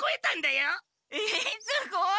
えっすごい！